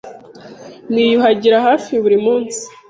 Niyuhagira hafi buri munsi.